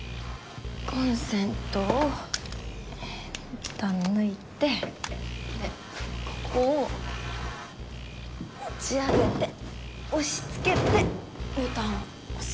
コンセントを一旦抜いてでここを持ち上げて押しつけてボタンを押す。